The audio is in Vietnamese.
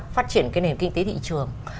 phát triển cái nền kinh tế thị trường